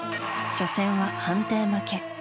初戦は判定負け。